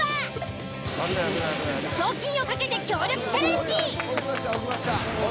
賞金を懸けて協力チャレンジ。